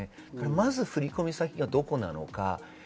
まず振り込み先がどこなのか。